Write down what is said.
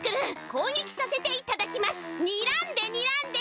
こうげきさせていただきます。